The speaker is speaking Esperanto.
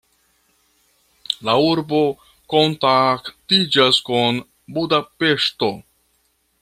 La urbo kontaktiĝas kun Budapeŝto.